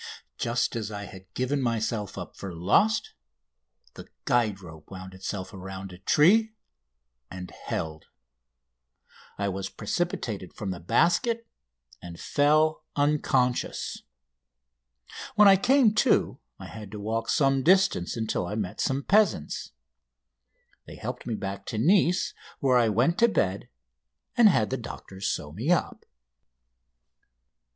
Just as I had given myself up for lost the guide rope wound itself around a tree and held. I was precipitated from the basket, and fell unconscious. When I came to I had to walk some distance until I met some peasants. They helped me back to Nice, where I went to bed, and had the doctors sew me up.